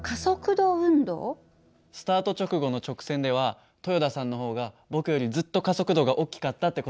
スタート直後の直線では豊田さんの方が僕よりずっと加速度が大きかったって事だよね。